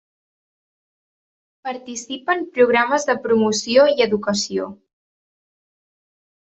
Participa en programes de promoció i educació.